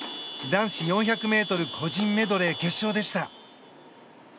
男子４００ｍ個人メドレー決勝でした。